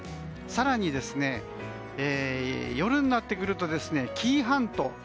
更に、夜になってくると紀伊半島。